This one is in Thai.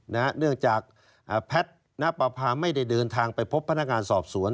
เนื่องจากแพทย์ณปภาไม่ได้เดินทางไปพบพนักงานสอบสวน